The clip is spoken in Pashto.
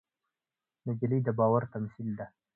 نجلۍ د باور تمثیل ده.